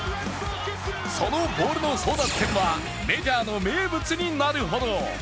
そのボールの争奪戦はメジャーの名物になるほど。